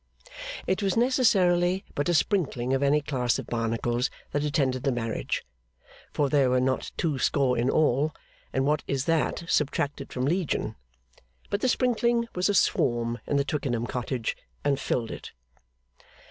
It was necessarily but a sprinkling of any class of Barnacles that attended the marriage, for there were not two score in all, and what is that subtracted from Legion! But the sprinkling was a swarm in the Twickenham cottage, and filled it.